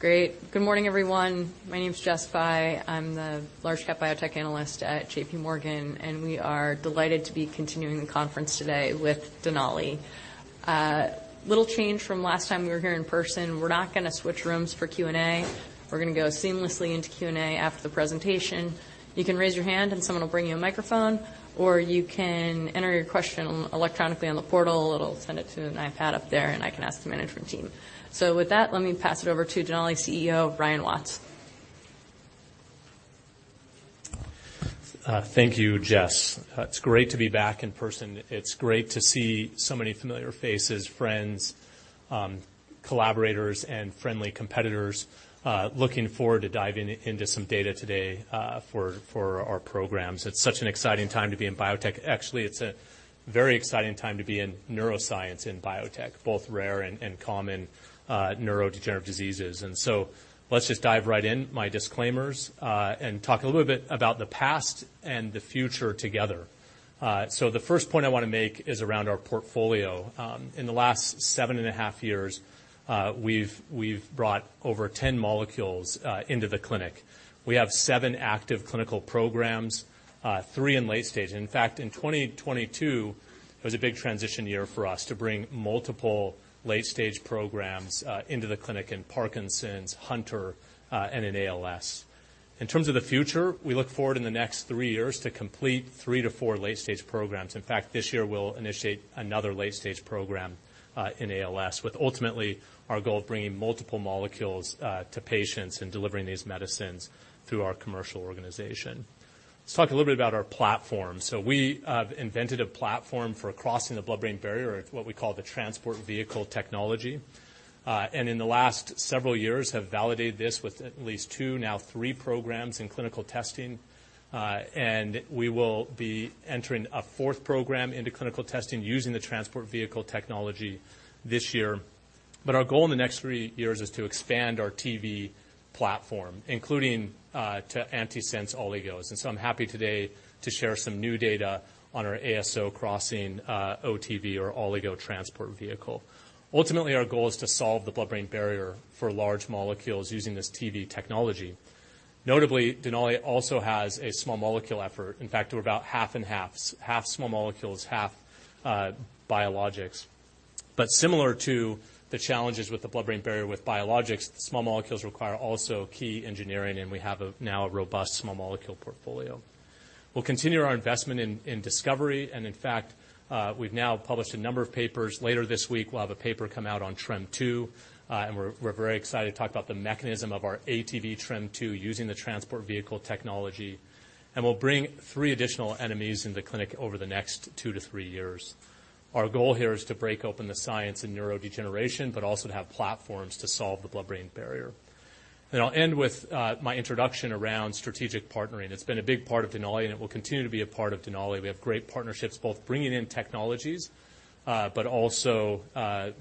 Great. Good morning, everyone. My name is Jessica Fye. I'm the large cap biotech analyst at J.P. Morgan, we are delighted to be continuing the conference today with Denali. Little change from last time we were here in person. We're not gonna switch rooms for Q&A. We're gonna go seamlessly into Q&A after the presentation. You can raise your hand, and someone will bring you a microphone, or you can enter your question electronically on the portal. It'll send it to an iPad up there, and I can ask the management team. With that, let me pass it over to Denali CEO, Ryan Watts. Thank you, Jess. It's great to be back in person. It's great to see so many familiar faces, friends, collaborators, and friendly competitors. Looking forward to diving into some data today for our programs. It's such an exciting time to be in biotech. Actually, it's a very exciting time to be in neuroscience in biotech, both rare and common neurodegenerative diseases. Let's just dive right in, my disclaimers, and talk a little bit about the past and the future together. The first point I wanna make is around our portfolio. In the last seven and a half years, we've brought over 10 molecules into the clinic. We have seven active clinical programs, three in late stage. In fact, in 2022, it was a big transition year for us to bring multiple late-stage programs into the clinic in Parkinson's, Hunter, and in ALS. In terms of the future, we look forward in the next 3 years to complete 3-4 late-stage programs. In fact, this year we'll initiate another late-stage program in ALS, with ultimately our goal of bringing multiple molecules to patients and delivering these medicines through our commercial organization. Let's talk a little bit about our platform. We have invented a platform for crossing the blood-brain barrier, or what we call the Transport Vehicle technology, and in the last several years have validated this with at least 2, now 3 programs in clinical testing. We will be entering a fourth program into clinical testing using the Transport Vehicle technology this year. Our goal in the next 3 years is to expand our TV platform, including to antisense oligos. I'm happy today to share some new data on our ASO crossing OTV or Oligonucleotide Transport Vehicle. Ultimately, our goal is to solve the blood-brain barrier for large molecules using this TV technology. Notably, Denali also has a small molecule effort. In fact, we're about half and half small molecules, half biologics. Similar to the challenges with the blood-brain barrier with biologics, small molecules require also key engineering, and we have a now robust small molecule portfolio. We'll continue our investment in discovery, and in fact, we've now published a number of papers. Later this week, we'll have a paper come out on TREM2, and we're very excited to talk about the mechanism of our ATV:TREM2 using the Transport Vehicle technology. We'll bring 3 additional NMEs into clinic over the next 2-3 years. Our goal here is to break open the science in neurodegeneration, but also to have platforms to solve the blood-brain barrier. I'll end with my introduction around strategic partnering. It's been a big part of Denali, and it will continue to be a part of Denali. We have great partnerships, both bringing in technologies, but also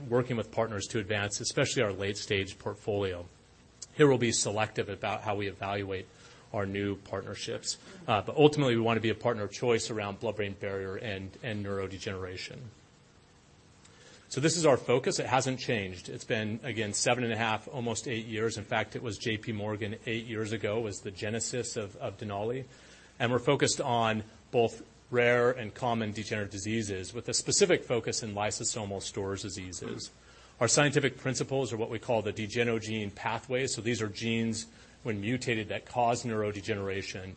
working with partners to advance, especially our late-stage portfolio. Here we'll be selective about how we evaluate our new partnerships. Ultimately, we wanna be a partner of choice around blood-brain barrier and neurodegeneration. This is our focus. It hasn't changed. It's been, again, seven and a half, almost eight years. In fact, it was J.P. Morgan eight years ago, was the genesis of Denali. We're focused on both rare and common degenerative diseases, with a specific focus in lysosomal storage diseases. Our scientific principles are what we call the degenogene pathways. These are genes when mutated that cause neurodegeneration,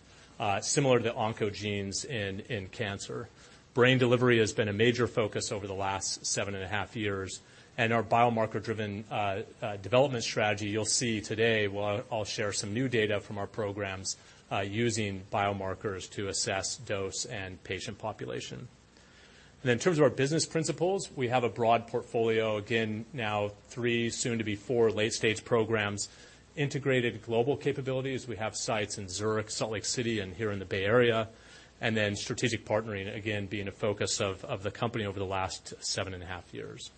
similar to oncogenes in cancer. Brain delivery has been a major focus over the last seven and a half years. Our biomarker-driven development strategy, you'll see today, well I'll share some new data from our programs, using biomarkers to assess dose and patient population. In terms of our business principles, we have a broad portfolio, again, now three, soon to be four late-stage programs, integrated global capabilities. We have sites in Zurich, Salt Lake City, and here in the Bay Area. Strategic partnering, again, being a focus of the company over the last 7.5 years.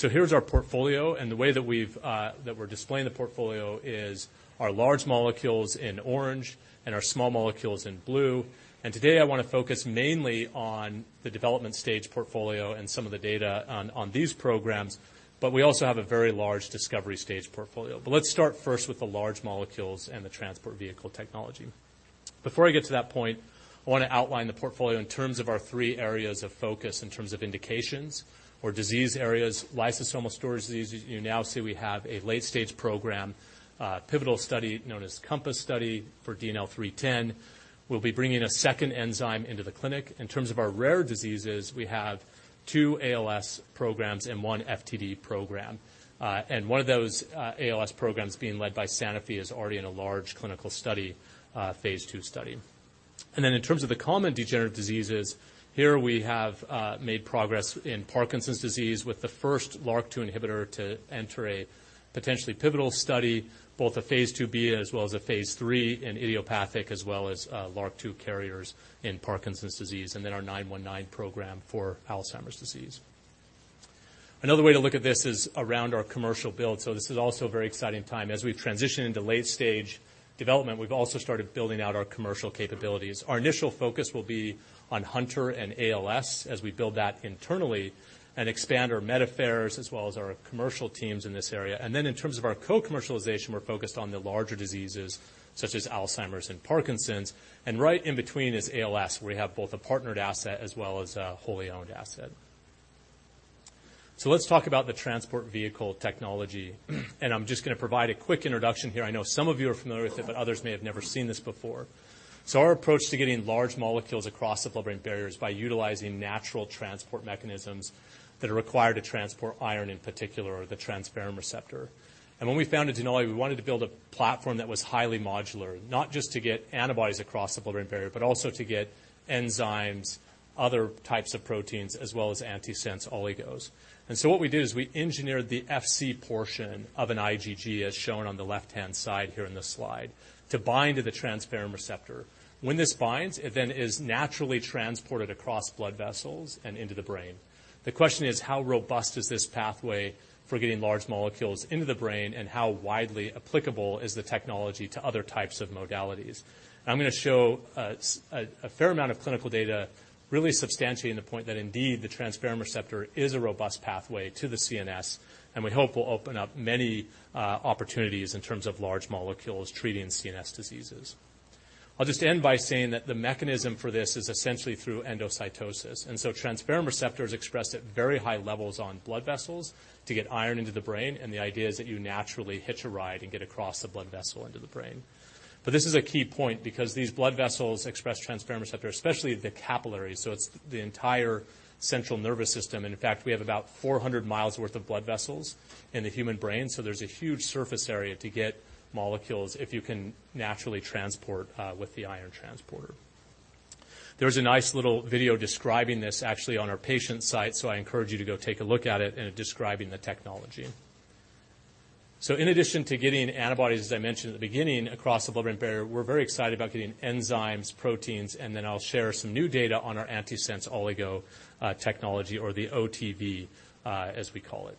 Here's our portfolio, and the way that we've that we're displaying the portfolio is our large molecules in orange and our small molecules in blue. Today I wanna focus mainly on the development stage portfolio and some of the data on these programs, but we also have a very large discovery stage portfolio. Let's start first with the large molecules and the Transport Vehicle technology. Before I get to that point, I wanna outline the portfolio in terms of our 3 areas of focus, in terms of indications or disease areas, lysosomal storage diseases. You now see we have a late-stage program, pivotal study known as COMPASS study for DNL310. We'll be bringing a 2nd enzyme into the clinic. In terms of our rare diseases, we have 2 ALS programs and 1 FTD program. 1 of those ALS programs being led by Sanofi is already in a large clinical study, phase II study. In terms of the common degenerative diseases, here we have made progress in Parkinson's disease with the 1st LRRK2 inhibitor to enter a potentially pivotal study, both a phase II-B as well as a phase III in idiopathic, as well as LRRK2 carriers in Parkinson's disease, and then our DNL919 program for Alzheimer's disease. Another way to look at this is around our commercial build. This is also a very exciting time. As we transition into late-stage development, we've also started building out our commercial capabilities. Our initial focus will be on Hunter syndrome and ALS as we build that internally and expand our med affairs as well as our commercial teams in this area. In terms of our co-commercialization, we're focused on the larger diseases such as Alzheimer's and Parkinson's. Right in between is ALS, where we have both a partnered asset as well as a wholly owned asset. Let's talk about the Transport Vehicle technology, and I'm just gonna provide a quick introduction here. I know some of you are familiar with it, but others may have never seen this before. Our approach to getting large molecules across the blood-brain barrier is by utilizing natural transport mechanisms that are required to transport iron, in particular, the transferrin receptor. When we founded Denali, we wanted to build a platform that was highly modular, not just to get antibodies across the blood-brain barrier, but also to get enzymes, other types of proteins, as well as antisense oligos. What we did is we engineered the FC portion of an IgG, as shown on the left-hand side here in this slide, to bind to the transferrin receptor. When this binds, it then is naturally transported across blood vessels and into the brain. The question is: how robust is this pathway for getting large molecules into the brain, and how widely applicable is the technology to other types of modalities? I'm gonna show a fair amount of clinical data really substantiating the point that indeed the transferrin receptor is a robust pathway to the CNS and we hope will open up many opportunities in terms of large molecules treating CNS diseases. I'll just end by saying that the mechanism for this is essentially through endocytosis. Transferrin receptor is expressed at very high levels on blood vessels to get iron into the brain, and the idea is that you naturally hitch a ride and get across the blood vessel into the brain. This is a key point because these blood vessels express transferrin receptor, especially the capillaries, so it's the entire central nervous system. In fact, we have about 400 miles worth of blood vessels in the human brain, so there's a huge surface area to get molecules if you can naturally transport with the iron transporter. There's a nice little video describing this actually on our patient site, so I encourage you to go take a look at it and describing the technology. In addition to getting antibodies, as I mentioned at the beginning, across the blood-brain barrier, we're very excited about getting enzymes, proteins, and then I'll share some new data on our antisense oligo technology or the OTV as we call it.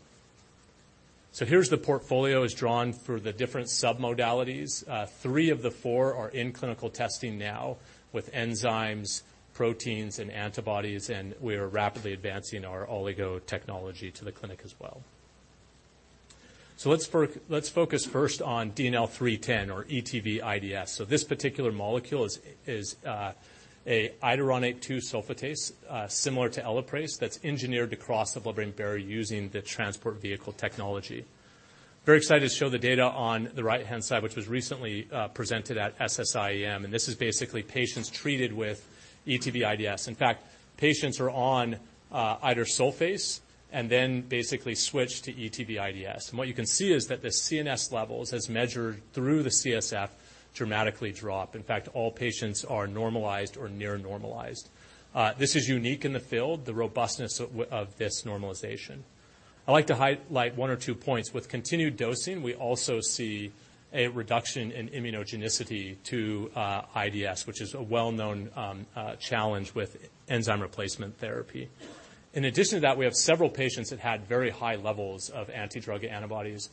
Here's the portfolio as drawn for the different submodalities. 3 of the 4 are in clinical testing now with enzymes, proteins, and antibodies, and we are rapidly advancing our oligo technology to the clinic as well. let's focus first on DNL310 or ETVIDS. This particular molecule is a iduronate 2-sulfatase similar to Elaprase that's engineered to cross the blood-brain barrier using the Transport Vehicle technology. Very excited to show the data on the right-hand side, which was recently presented at SSIEM. This is basically patients treated with ETVIDS. In fact, patients are on idursulfase then basically switch to ETVIDS. What you can see is that the CNS levels as measured through the CSF dramatically drop. In fact, all patients are normalized or near normalized. This is unique in the field, the robustness of this normalization. I'd like to highlight one or two points. With continued dosing, we also see a reduction in immunogenicity to IDS, which is a well-known challenge with enzyme replacement therapy. In addition to that, we have several patients that had very high levels of anti-drug antibodies.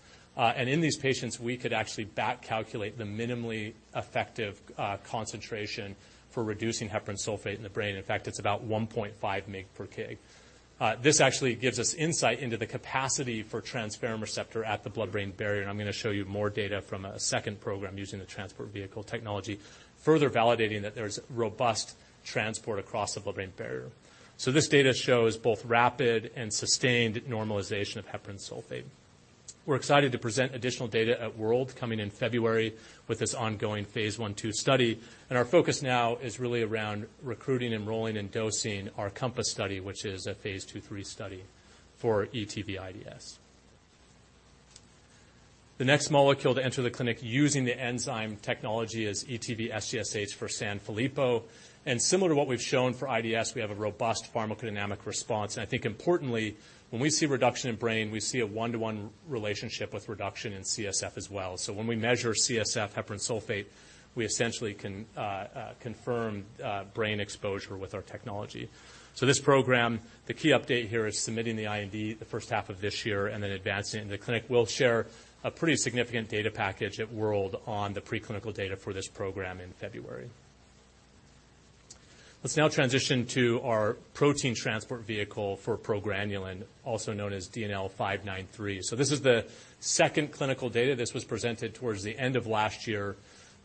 In these patients, we could actually back calculate the minimally effective concentration for reducing heparan sulfate in the brain. In fact, it's about 1.5 mg/kg. This actually gives us insight into the capacity for transferrin receptor at the blood-brain barrier, and I'm gonna show you more data from a second program using the Transport Vehicle technology, further validating that there's robust transport across the blood-brain barrier. This data shows both rapid and sustained normalization of heparan sulfate. We're excited to present additional data at WORLDSymposium coming in February with this ongoing phase 1/2 study. Our focus now is really around recruiting, enrolling, and dosing our COMPASS study, which is a phase 2/3 study for ETVIDS. The next molecule to enter the clinic using the enzyme technology is ETV:SGSH for Sanfilippo. Similar to what we've shown for IDS, we have a robust pharmacodynamic response. I think importantly, when we see reduction in brain, we see a one-to-one relationship with reduction in CSF as well. When we measure CSF heparan sulfate, we essentially can confirm brain exposure with our technology. This program, the key update here is submitting the IND the first half of this year and then advancing into the clinic. We'll share a pretty significant data package at WORLDSymposium on the preclinical data for this program in February. Let's now transition to our protein transport vehicle for progranulin, also known as DNL593. This is the second clinical data. This was presented towards the end of last year,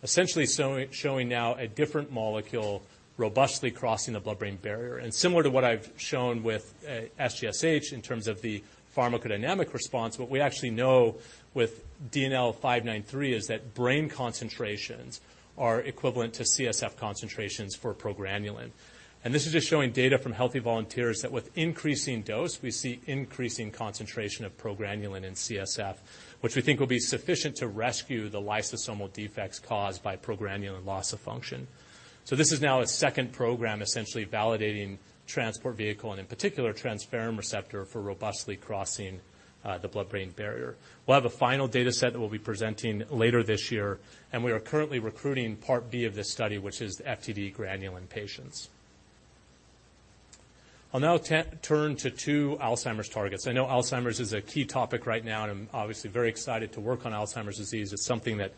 essentially showing now a different molecule robustly crossing the blood-brain barrier. Similar to what I've shown with SGSH in terms of the pharmacodynamic response, what we actually know with DNL593 is that brain concentrations are equivalent to CSF concentrations for progranulin. This is just showing data from healthy volunteers that with increasing dose, we see increasing concentration of progranulin in CSF, which we think will be sufficient to rescue the lysosomal defects caused by progranulin loss of function. This is now a second program essentially validating Transport Vehicle and in particular transferrin receptor for robustly crossing the blood-brain barrier. We'll have a final dataset that we'll be presenting later this year, and we are currently recruiting part B of this study, which is the FTD progranulin patients. I'll now turn to two Alzheimer's targets. I know Alzheimer's is a key topic right now. I'm obviously very excited to work on Alzheimer's disease. It's something that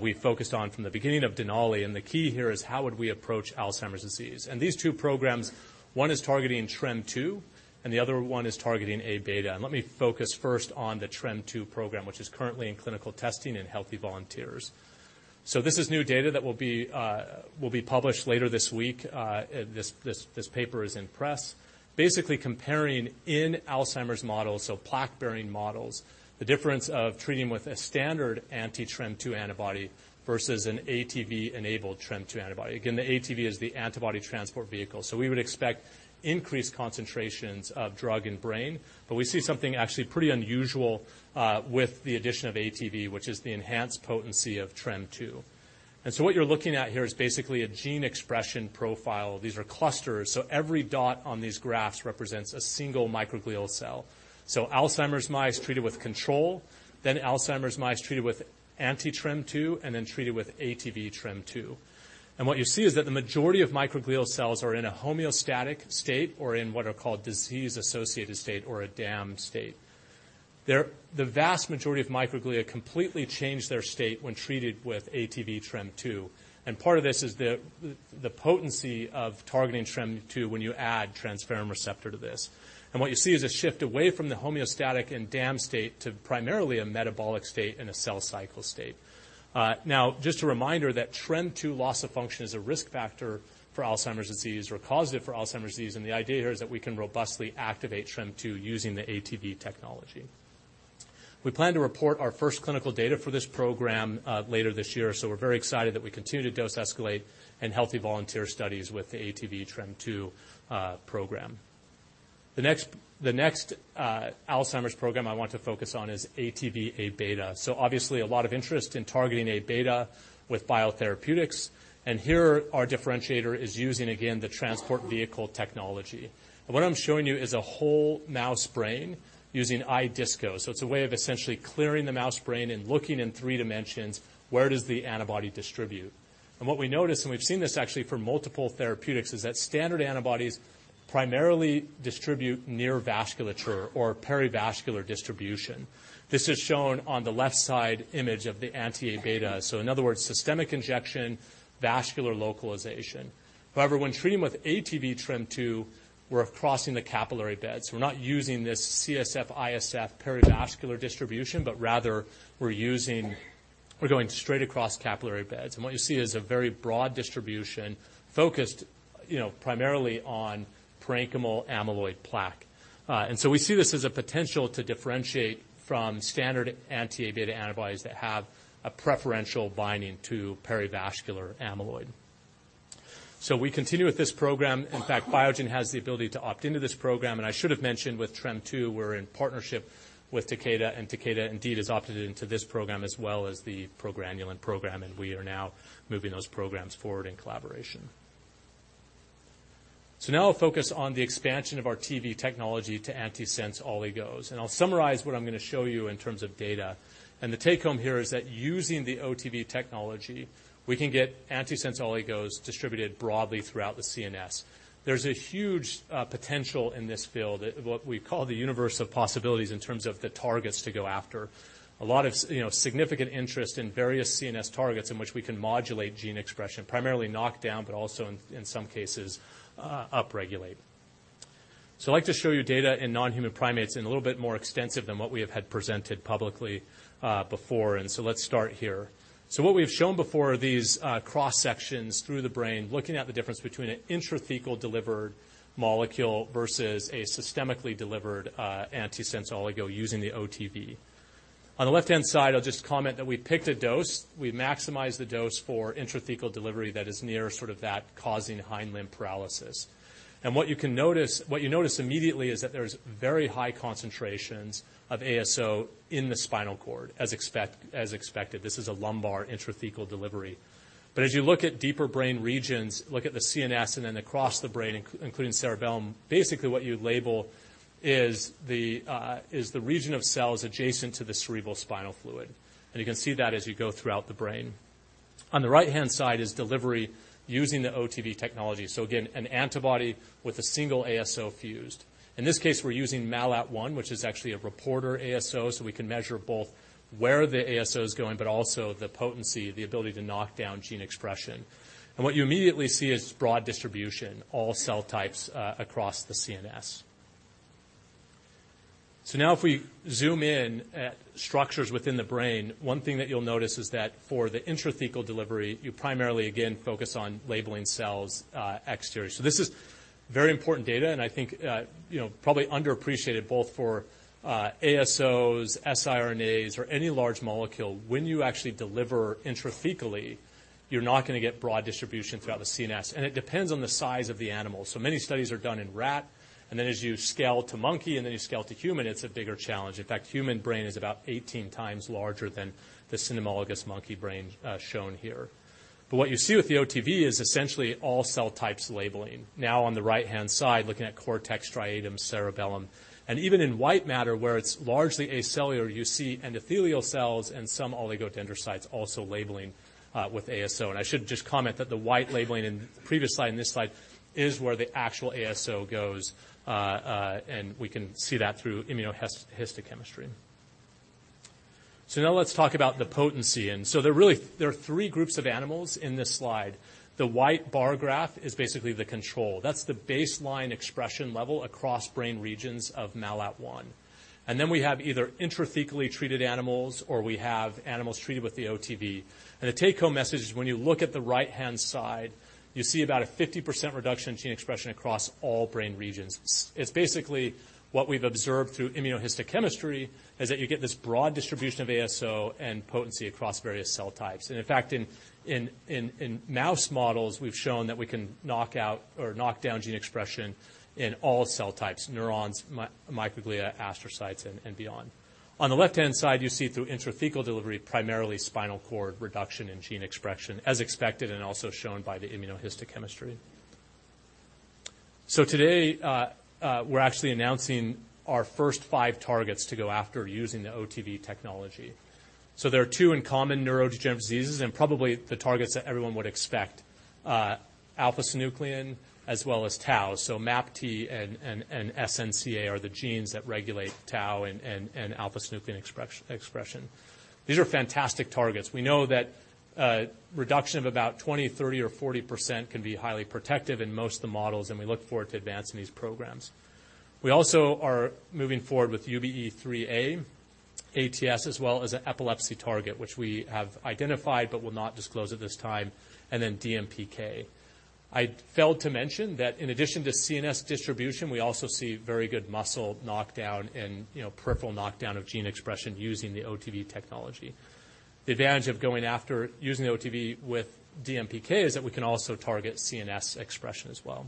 we focused on from the beginning of Denali, and the key here is how would we approach Alzheimer's disease. These two programs, one is targeting TREM2, and the other one is targeting A-beta. Let me focus first on the TREM2 program, which is currently in clinical testing in healthy volunteers. This is new data that will be published later this week. This paper is in press. Basically comparing in Alzheimer's models, so plaque-bearing models, the difference of treating with a standard anti-TREM2 antibody versus an ATV-enabled TREM2 antibody. Again, the ATV is the Antibody Transport Vehicle. We would expect increased concentrations of drug and brain, but we see something actually pretty unusual with the addition of ATV, which is the enhanced potency of TREM2. What you're looking at here is basically a gene expression profile. These are clusters. Every dot on these graphs represents a single microglial cell. Alzheimer's mice treated with control, then Alzheimer's mice treated with anti-TREM2, and then treated with ATV:TREM2. What you see is that the majority of microglial cells are in a homeostatic state or in what are called disease-associated state or a DAM state. The vast majority of microglia completely change their state when treated with ATV:TREM2. Part of this is the potency of targeting TREM2 when you add transferrin receptor to this. What you see is a shift away from the homeostatic and DAM state to primarily a metabolic state and a cell cycle state. Now just a reminder that TREM2 loss of function is a risk factor for Alzheimer's disease or causative for Alzheimer's disease, and the idea here is that we can robustly activate TREM2 using the ATV technology. We plan to report our first clinical data for this program later this year, so we're very excited that we continue to dose escalate in healthy volunteer studies with the ATV TREM2 program. The next Alzheimer's program I want to focus on is ATV A-beta. Obviously a lot of interest in targeting A-beta with biotherapeutics. Here our differentiator is using, again, the Transport Vehicle technology. What I'm showing you is a whole mouse brain using iDISCO. It's a way of essentially clearing the mouse brain and looking in three dimensions, where does the antibody distribute? What we notice, and we've seen this actually for multiple therapeutics, is that standard antibodies primarily distribute near vasculature or perivascular distribution. This is shown on the left side image of the anti A-beta. In other words, systemic injection, vascular localization. However, when treating with ATV:TREM2, we're crossing the capillary beds. We're not using this CSF, ISF perivascular distribution, but rather we're going straight across capillary beds. What you see is a very broad distribution focused, you know, primarily on parenchymal amyloid plaque. We see this as a potential to differentiate from standard anti A-beta antibodies that have a preferential binding to perivascular amyloid. We continue with this program. In fact, Biogen has the ability to opt into this program. I should have mentioned with TREM2, we're in partnership with Takeda, and Takeda indeed has opted into this program as well as the progranulin program, and we are now moving those programs forward in collaboration. Now I'll focus on the expansion of our TV technology to antisense oligos. I'll summarize what I'm gonna show you in terms of data. The take-home here is that using the OTV technology, we can get antisense oligos distributed broadly throughout the CNS. There's a huge potential in this field, what we call the universe of possibilities in terms of the targets to go after. A lot of you know, significant interest in various CNS targets in which we can modulate gene expression, primarily knock down, but also in some cases, up-regulate. I'd like to show you data in non-human primates and a little bit more extensive than what we have had presented publicly before. Let's start here. What we've shown before are these cross-sections through the brain, looking at the difference between an intrathecal delivered molecule versus a systemically delivered antisense oligo using the OTV. On the left-hand side, I'll just comment that we picked a dose. We maximized the dose for intrathecal delivery that is near sort of that causing hindlimb paralysis. What you notice immediately is that there's very high concentrations of ASO in the spinal cord as expected. This is a lumbar intrathecal delivery. As you look at deeper brain regions, look at the CNS and then across the brain including cerebellum, basically what you label is the region of cells adjacent to the cerebral spinal fluid. You can see that as you go throughout the brain. On the right-hand side is delivery using the OTV technology. Again, an antibody with a single ASO fused. In this case, we're using MALAT1, which is actually a reporter ASO, so we can measure both where the ASO's going, but also the potency, the ability to knock down gene expression. What you immediately see is broad distribution, all cell types across the CNS. Now if we zoom in at structures within the brain, one thing that you'll notice is that for the intrathecal delivery, you primarily again focus on labeling cells exterior. This is very important data, and I think, you know, probably underappreciated both for ASOs, siRNAs or any large molecule. When you actually deliver intrathecally, you're not gonna get broad distribution throughout the CNS, and it depends on the size of the animal. Many studies are done in rat, and then as you scale to monkey, and then you scale to human, it's a bigger challenge. In fact, human brain is about 18 times larger than the cynomolgus monkey brain, shown here. What you see with the OTV is essentially all cell types labeling. On the right-hand side, looking at cortex, striatum, cerebellum, and even in white matter where it's largely acellular, you see endothelial cells and some oligodendrocytes also labeling with ASO. I should just comment that the white labeling in previous slide and this slide is where the actual ASO goes, and we can see that through immunohistochemistry. Now let's talk about the potency. There are three groups of animals in this slide. The white bar graph is basically the control. That's the baseline expression level across brain regions of MALAT1. We have either intrathecally treated animals, or we have animals treated with the OTV. The take-home message is when you look at the right-hand side, you see about a 50% reduction in gene expression across all brain regions. It's basically what we've observed through immunohistochemistry, is that you get this broad distribution of ASO and potency across various cell types. In fact, in mouse models, we've shown that we can knock out or knock down gene expression in all cell types, neurons, microglia, astrocytes, and beyond. On the left-hand side, you see through intrathecal delivery, primarily spinal cord reduction in gene expression, as expected and also shown by the immunohistochemistry. Today, we're actually announcing our first 5 targets to go after using the OTV technology. There are 2 in common neurodegenerative diseases, and probably the targets that everyone would expect, alpha-synuclein as well as tau. MAPT and SNCA are the genes that regulate tau and alpha-synuclein expression. These are fantastic targets. We know that reduction of about 20%, 30%, or 40% can be highly protective in most of the models, and we look forward to advancing these programs. We also are moving forward with UBE3A, ATS, as well as an epilepsy target, which we have identified but will not disclose at this time, and then DMPK. I failed to mention that in addition to CNS distribution, we also see very good muscle knockdown and, you know, peripheral knockdown of gene expression using the OTV technology. The advantage of going after using the OTV with DMPK is that we can also target CNS expression as well.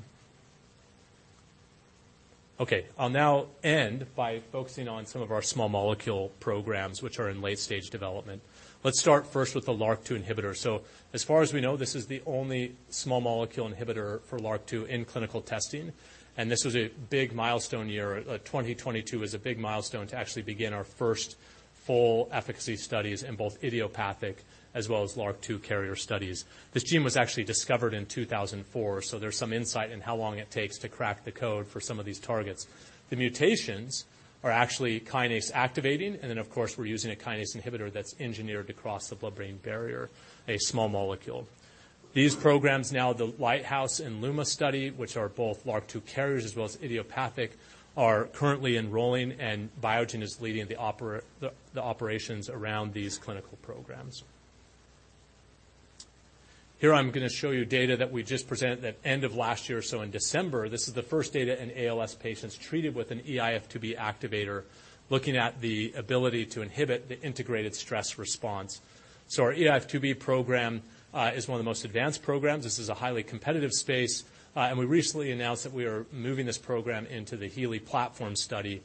Okay. I'll now end by focusing on some of our small molecule programs, which are in late-stage development. Let's start first with the LRRK2 inhibitor. As far as we know, this is the only small molecule inhibitor for LRRK2 in clinical testing, and this was a big milestone year. 2022 is a big milestone to actually begin our first full efficacy studies in both idiopathic as well as LRRK2 carrier studies. This gene was actually discovered in 2004. There's some insight in how long it takes to crack the code for some of these targets. The mutations are actually kinase activating. Of course, we're using a kinase inhibitor that's engineered to cross the blood-brain barrier, a small molecule. These programs now, the Lighthouse and LUMA study, which are both LRRK2 carriers as well as idiopathic, are currently enrolling. Biogen is leading the operations around these clinical programs. Here I'm gonna show you data that we just presented at end of last year, in December. This is the first data in ALS patients treated with an eIF2B activator, looking at the ability to inhibit the integrated stress response. Our eIF2B program is one of the most advanced programs. This is a highly competitive space, and we recently announced that we are moving this program into the HEALEY platform study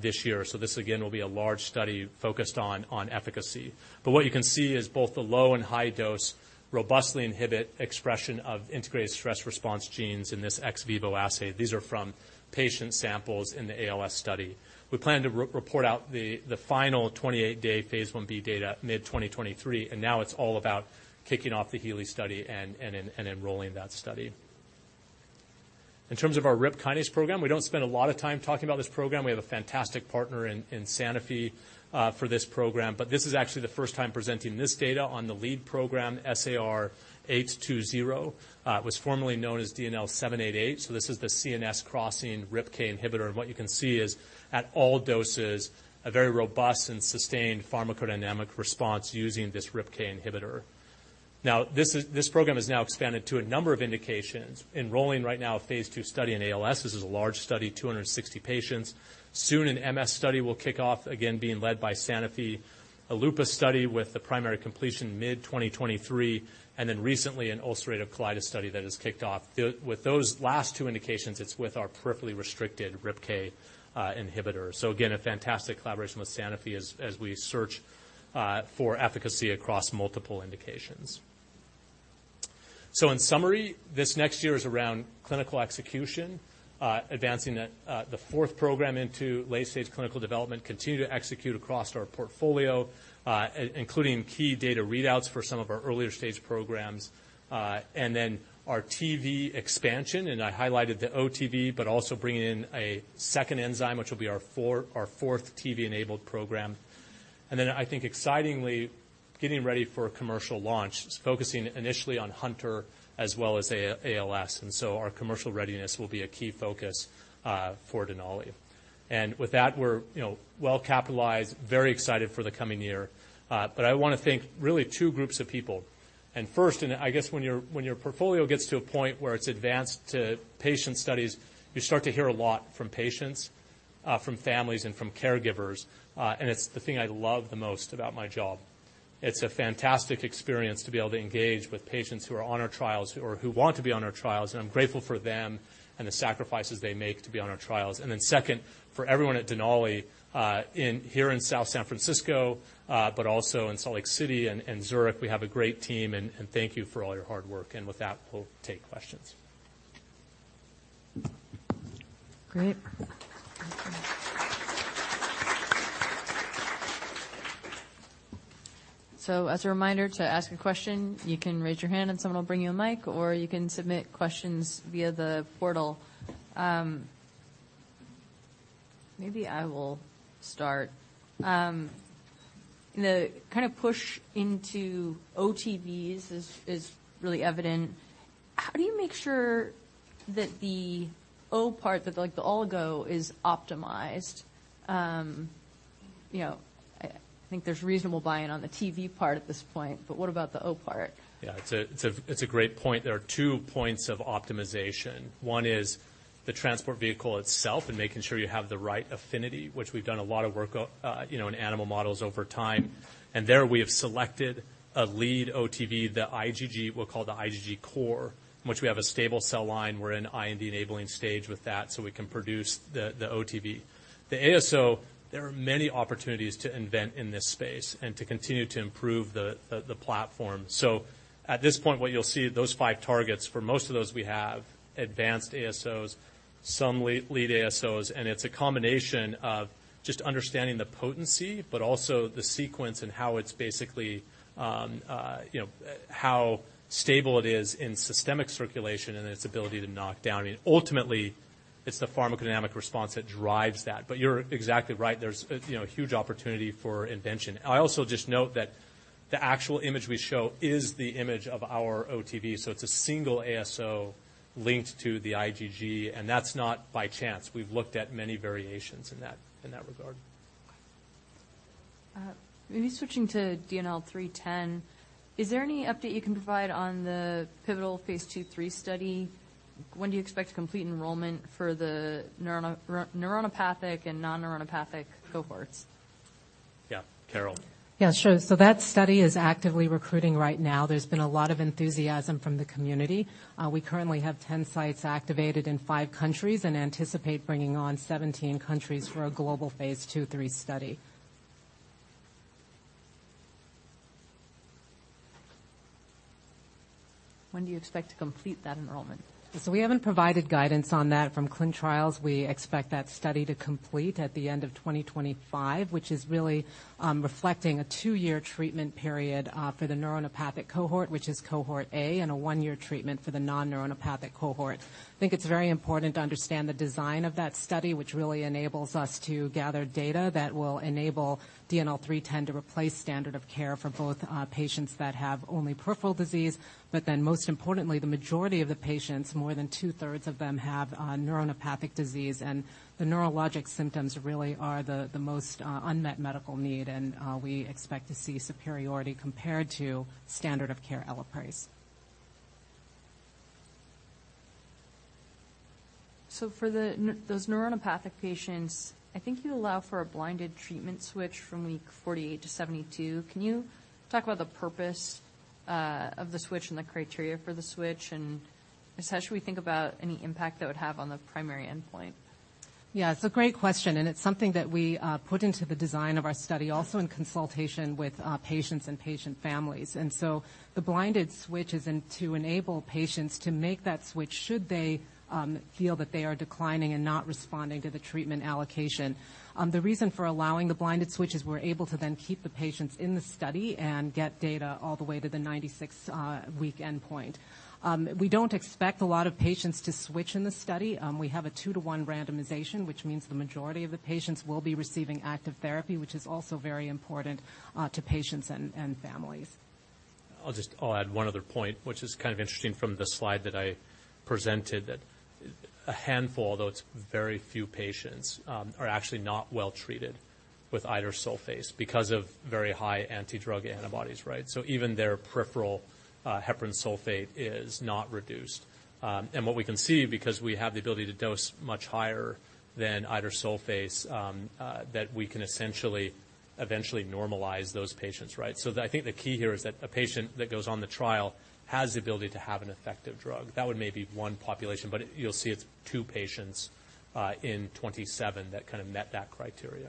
this year. This again will be a large study focused on efficacy. What you can see is both the low and high dose robustly inhibit expression of integrated stress response genes in this ex vivo assay. These are from patient samples in the ALS study. We plan to report out the final 28-day phase I-B data mid 2023, and now it's all about kicking off the HEALEY study and enrolling that study. In terms of our RIP kinase program, we don't spend a lot of time talking about this program. We have a fantastic partner in Sanofi for this program. This is actually the first time presenting this data on the lead program, SAR 443820. It was formerly known as DNL788. This is the CNS crossing RIPK inhibitor. What you can see is at all doses, a very robust and sustained pharmacodynamic response using this RIPK inhibitor. Now, this program is now expanded to a number of indications, enrolling right now a phase II study in ALS. This is a large study, 260 patients. Soon, an MS study will kick off, again being led by Sanofi. A lupus study with the primary completion mid 2023, recently an ulcerative colitis study that has kicked off. With those last two indications, it's with our peripherally restricted RIPK inhibitor. Again, a fantastic collaboration with Sanofi as we search for efficacy across multiple indications. In summary, this next year is around clinical execution, advancing the fourth program into late-stage clinical development, continue to execute across our portfolio, including key data readouts for some of our earlier stage programs, and then our TV expansion, and I highlighted the OTV, but also bringing in a second enzyme, which will be our fourth TV-enabled program. I think excitingly getting ready for a commercial launch, focusing initially on Hunter as well as ALS. Our commercial readiness will be a key focus for Denali. With that, we're, you know, well-capitalized, very excited for the coming year. I wanna thank really two groups of people. First, I guess when your portfolio gets to a point where it's advanced to patient studies, you start to hear a lot from patients, from families, and from caregivers, and it's the thing I love the most about my job. It's a fantastic experience to be able to engage with patients who are on our trials or who want to be on our trials, and I'm grateful for them and the sacrifices they make to be on our trials. Second, for everyone at Denali, here in South San Francisco, but also in Salt Lake City and Zurich, we have a great team and thank you for all your hard work. With that, we'll take questions. Great. As a reminder to ask a question, you can raise your hand and someone will bring you a mic, or you can submit questions via the portal. Maybe I will start. The kind of push into OTVs is really evident. How do you make sure that the O part, that like the oligo is optimized? You know, I think there's reasonable buy-in on the TV part at this point, but what about the O part? Yeah. It's a great point. There are two points of optimization. One is the transport vehicle itself and making sure you have the right affinity, which we've done a lot of work, you know, in animal models over time. There we have selected a lead OTV, the IgG, we'll call the IgG core, which we have a stable cell line. We're in IND-enabling stage with that, so we can produce the OTV. The ASO, there are many opportunities to invent in this space and to continue to improve the platform. At this point, what you'll see, those five targets, for most of those we have advanced ASOs, some lead ASOs, and it's a combination of just understanding the potency but also the sequence and how it's basically, you know, how stable it is in systemic circulation and its ability to knock down. Ultimately, it's the pharmacodynamic response that drives that. You're exactly right. There's, you know, huge opportunity for invention. I also just note that the actual image we show is the image of our OTV. It's a single ASO linked to the IgG, and that's not by chance. We've looked at many variations in that regard. Maybe switching to DNL310, is there any update you can provide on the pivotal phase 2/3 study? When do you expect to complete enrollment for the neuropathic and non-neuropathic cohorts? Yeah. Carol. Yeah, sure. That study is actively recruiting right now. There's been a lot of enthusiasm from the community. We currently have 10 sites activated in 5 countries and anticipate bringing on 17 countries for a global phase 2/3 study. When do you expect to complete that enrollment? We haven't provided guidance on that from clin trials. We expect that study to complete at the end of 2025, which is really reflecting a 2-year treatment period for the neuropathic cohort, which is cohort A, and a 1-year treatment for the non-neuropathic cohort. I think it's very important to understand the design of that study, which really enables us to gather data that will enable DNL310 to replace standard of care for both patients that have only peripheral disease. Most importantly, the majority of the patients, more than two-thirds of them, have neuropathic disease, and the neurologic symptoms really are the most unmet medical need, and we expect to see superiority compared to standard of care Elaprase. For those neuropathic patients, I think you allow for a blinded treatment switch from week 48 to 72? Can you talk about the purpose of the switch and the criteria for the switch? I guess how should we think about any impact that would have on the primary endpoint? It's a great question, and it's something that we put into the design of our study, also in consultation with patients and patient families. The blinded switch is in to enable patients to make that switch should they feel that they are declining and not responding to the treatment allocation. The reason for allowing the blinded switch is we're able to then keep the patients in the study and get data all the way to the 96th week endpoint. We don't expect a lot of patients to switch in the study. We have a 2-to-1 randomization, which means the majority of the patients will be receiving active therapy, which is also very important to patients and families. I'll add one other point, which is kind of interesting from the slide that I presented, that a handful, although it's very few patients, are actually not well treated with idursulfase because of very high anti-drug antibodies, right. Even their peripheral heparan sulfate is not reduced. What we can see, because we have the ability to dose much higher than idursulfase, that we can essentially eventually normalize those patients, right. I think the key here is that a patient that goes on the trial has the ability to have an effective drug. That would may be one population, but you'll see it's 2 patients in 27 that kind of met that criteria.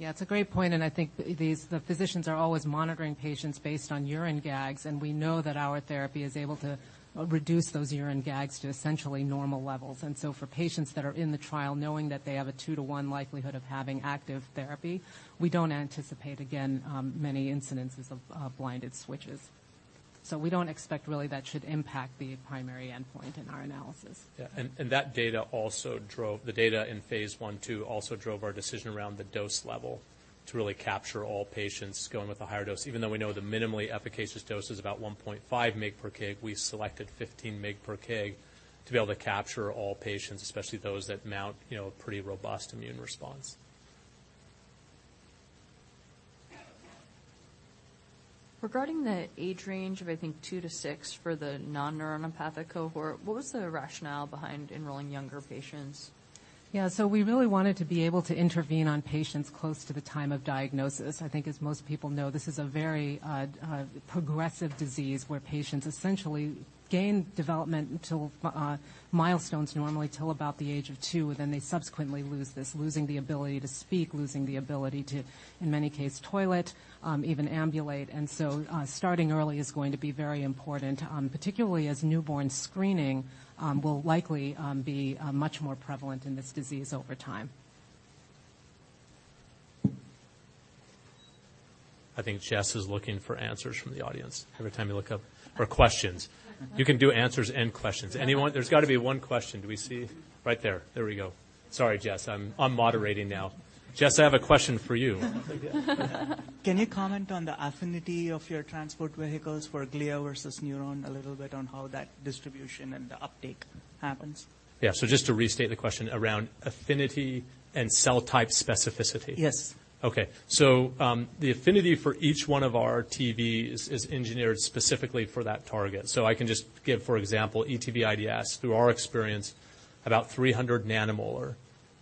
It's a great point, and I think the physicians are always monitoring patients based on urine GAGs, and we know that our therapy is able to reduce those urine GAGs to essentially normal levels. For patients that are in the trial knowing that they have a 2-to-1 likelihood of having active therapy, we don't anticipate, again, many incidences of blinded switches. We don't expect really that should impact the primary endpoint in our analysis. Yeah. The data in phase 1/2 also drove our decision around the dose level to really capture all patients going with a higher dose. Even though we know the minimally efficacious dose is about 1.5 mg per kg, we selected 15 mg per kg to be able to capture all patients, especially those that mount, you know, a pretty robust immune response. Regarding the age range of, I think, two to six for the non-neuropathic cohort, what was the rationale behind enrolling younger patients? Yeah. We really wanted to be able to intervene on patients close to the time of diagnosis. I think as most people know, this is a very progressive disease where patients essentially gain development until milestones normally till about the age of two, then they subsequently lose this, losing the ability to speak, losing the ability to, in many case, toilet, even ambulate. Starting early is going to be very important, particularly as newborn screening will likely be much more prevalent in this disease over time. I think Jess is looking for answers from the audience every time you look up. For questions. You can do answers and questions. Anyone? There's got to be one question. Do we see? Right there. There we go. Sorry, Jess. I'm moderating now. Jess, I have a question for you. Can you comment on the affinity of your transport vehicles for glia versus neuron, a little bit on how that distribution and the uptake happens? Yeah. Just to restate the question around affinity and cell type specificity. Yes. The affinity for each one of our TV is engineered specifically for that target. I can just give, for example, ETVIDS. Through our experience, about 300 nanomolar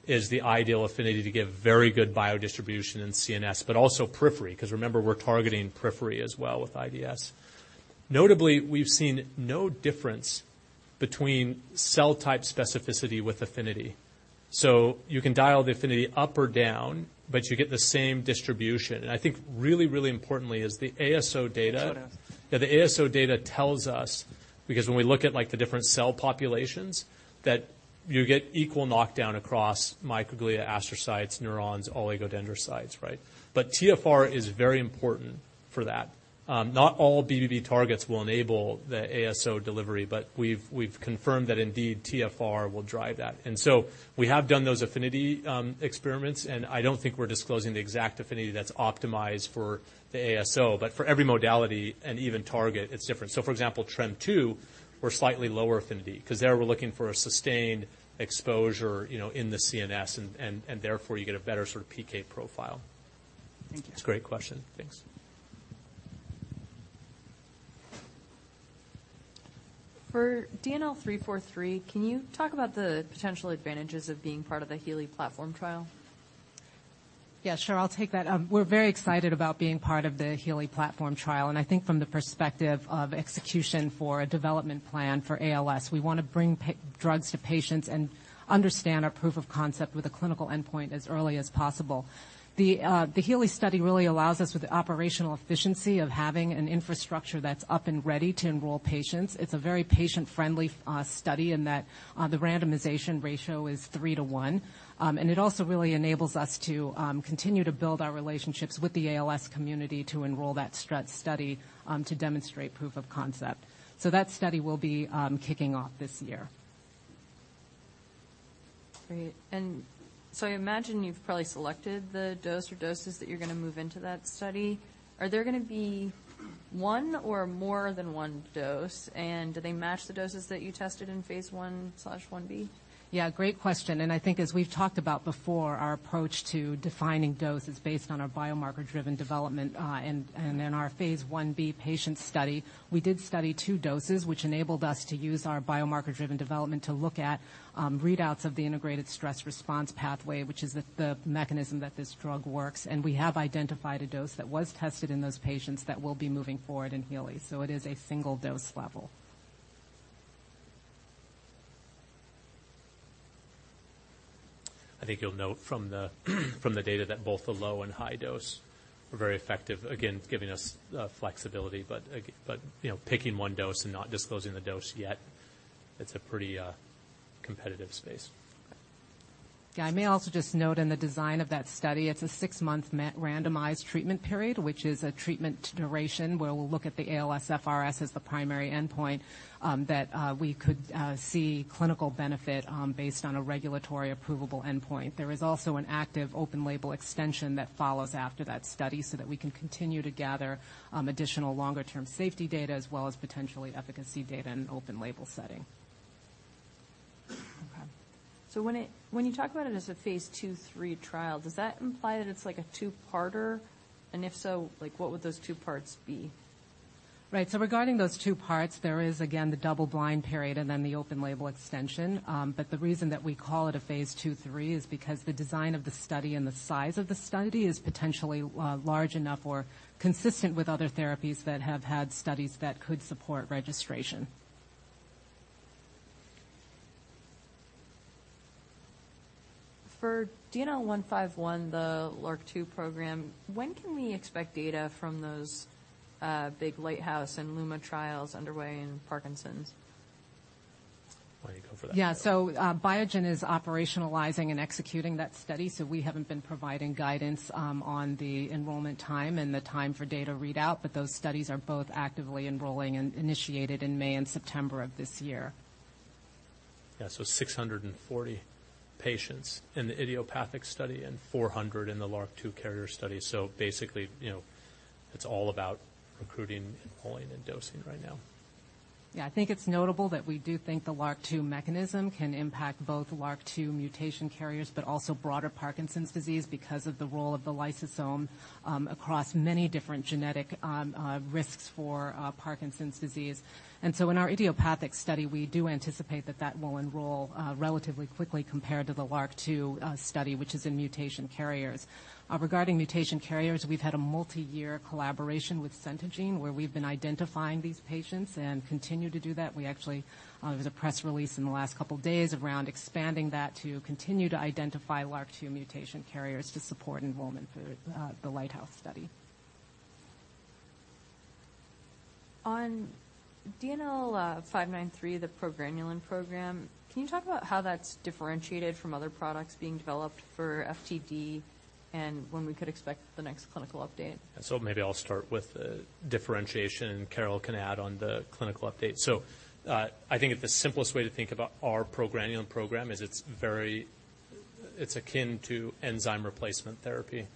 is the ideal affinity to give very good biodistribution in CNS, but also periphery, 'cause remember, we're targeting periphery as well with IDS. Notably, we've seen no difference between cell type specificity with affinity. You can dial the affinity up or down, but you get the same distribution. I think really importantly is the ASO data. Yeah, the ASO data tells us, because when we look at like the different cell populations, that you get equal knockdown across microglia, astrocytes, neurons, oligodendrocytes, right? TFR is very important for that. Not all BBB targets will enable the ASO delivery, but we've confirmed that indeed TFR will drive that. We have done those affinity experiments, and I don't think we're disclosing the exact affinity that's optimized for the ASO. For every modality and even target, it's different. For example, TFEB, we're slightly lower affinity 'cause there we're looking for a sustained exposure, you know, in the CNS and therefore you get a better sort of PK profile. Thank you. It's a great question. Thanks. For DNL343, can you talk about the potential advantages of being part of the HEALEY ALS Platform Trial? Yeah, sure. I'll take that. We're very excited about being part of the HEALEY Platform Trial. I think from the perspective of execution for a development plan for ALS, we wanna bring drugs to patients and understand our proof of concept with a clinical endpoint as early as possible. The HEALEY study really allows us with the operational efficiency of having an infrastructure that's up and ready to enroll patients. It's a very patient-friendly study in that the randomization ratio is 3 to 1. It also really enables us to continue to build our relationships with the ALS community to enroll that STRUT study to demonstrate proof of concept. That study will be kicking off this year. Great. I imagine you've probably selected the dose or doses that you're going to move into that study. Are there going to be 1 or more than 1 dose, and do they match the doses that you tested in phase 1/1b? Yeah, great question. I think as we've talked about before, our approach to defining dose is based on our biomarker-driven development, and in our phase I-B patient study, we did study two doses, which enabled us to use our biomarker-driven development to look at readouts of the integrated stress response pathway, which is the mechanism that this drug works. We have identified a dose that was tested in those patients that will be moving forward in HEALEY. It is a single dose level. I think you'll note from the data that both the low and high dose were very effective. Again, it's giving us flexibility, but, you know, picking one dose and not disclosing the dose yet, it's a pretty competitive space. Yeah. I may also just note in the design of that study, it's a 6-month randomized treatment period, which is a treatment duration where we'll look at the ALS FRS as the primary endpoint, that we could see clinical benefit based on a regulatory approvable endpoint. There is also an active open label extension that follows after that study so that we can continue to gather additional longer-term safety data, as well as potentially efficacy data in an open label setting. Okay. When you talk about it as a phase II-III trial, does that imply that it's like a two-parter? If so, like, what would those two parts be? Right. Regarding those 2 parts, there is again, the double blind period and then the open label extension. The reason that we call it a phase II-III is because the design of the study and the size of the study is potentially large enough or consistent with other therapies that have had studies that could support registration. For DNL151, the LRRK2 program, when can we expect data from those big Lighthouse and LUMA trials underway in Parkinson's? Why don't you go for that? Yeah. Biogen is operationalizing and executing that study. We haven't been providing guidance, on the enrollment time and the time for data readout, but those studies are both actively enrolling and initiated in May and September of this year. Yeah. 640 patients in the idiopathic study and 400 in the LRRK2 carrier study. Basically, you know, it's all about recruiting, enrolling, and dosing right now. Yeah, I think it's notable that we do think the LRRK2 mechanism can impact both LRRK2 mutation carriers, but also broader Parkinson's disease because of the role of the lysosome, across many different genetic risks for Parkinson's disease. In our idiopathic study, we do anticipate that that will enroll relatively quickly compared to the LRRK2 study, which is in mutation carriers. Regarding mutation carriers, we've had a multi-year collaboration with Centogene, where we've been identifying these patients and continue to do that. There was a press release in the last couple days around expanding that to continue to identify LRRK2 mutation carriers to support enrollment for the Lighthouse study. On DNL593, the progranulin program, can you talk about how that's differentiated from other products being developed for FTD and when we could expect the next clinical update? Maybe I'll start with the differentiation, and Carol can add on the clinical update. I think the simplest way to think about our progranulin program is it's akin to enzyme replacement therapy.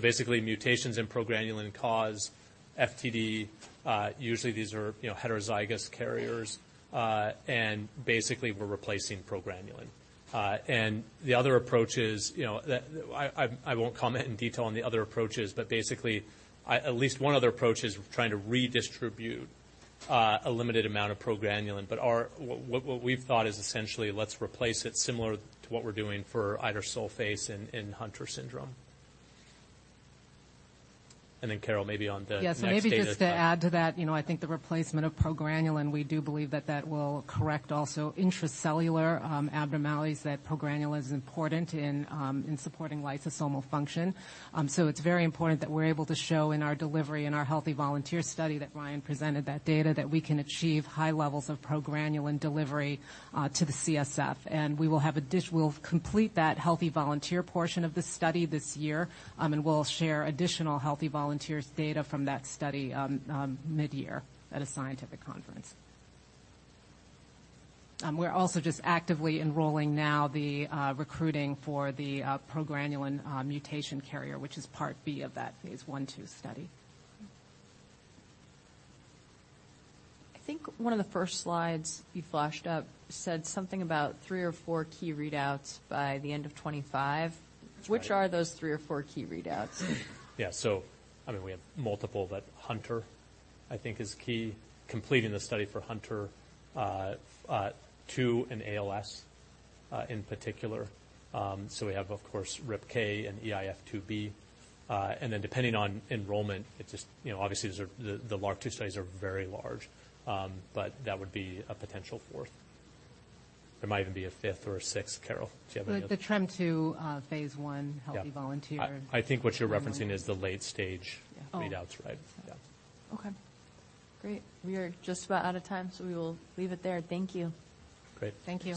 Basically, mutations in progranulin cause FTD. Usually these are, you know, heterozygous carriers. Basically, we're replacing progranulin. The other approach is, you know, I won't comment in detail on the other approaches, but basically, at least one other approach is trying to redistribute, a limited amount of progranulin. What we've thought is essentially let's replace it similar to what we're doing for idursulfase in Hunter syndrome. Then, Carol, maybe on the next data. Yeah. Maybe just to add to that, you know, I think the replacement of progranulin, we do believe that that will correct also intracellular abnormalities, that progranulin is important in supporting lysosomal function. It's very important that we're able to show in our delivery in our healthy volunteer study that Ryan presented that data that we can achieve high levels of progranulin delivery to the CSF. We'll complete that healthy volunteer portion of the study this year, we'll share additional healthy volunteers data from that study mid-year at a scientific conference. We're also just actively recruiting for the progranulin mutation carrier, which is part B of that phase I, II study. I think one of the first slides you flashed up said something about three or four key readouts by the end of 25. That's right. Which are those three or four key readouts? I mean, we have multiple, but Hunter, I think, is key. Completing the study for Hunter, 2 and ALS in particular. We have, of course, RIPK and eIF2B. Depending on enrollment, you know, obviously, these are the LRRK2 studies are very large. That would be a potential fourth. There might even be a fifth or a sixth. Carol, do you have any... The TREM2 phase I healthy volunteer. Yeah. I think what you're referencing is the late-stage- Oh. readouts, right? Yeah. Okay. Great. We are just about out of time. We will leave it there. Thank you. Great. Thank you.